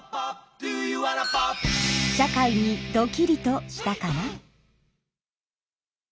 社会にドキリとしたかな？